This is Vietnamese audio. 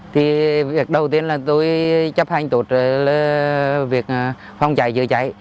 thì việc đầu tiên là tôi chấp hành tổ chức việc phòng cháy chữa cháy